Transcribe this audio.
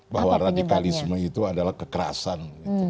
bahwa radikalisme itu adalah kekerasan